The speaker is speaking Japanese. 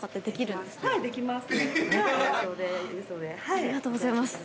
ありがとうございます。